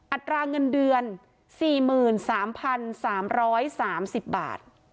อัตราเงินเดือน๔๓๓๓๐บาท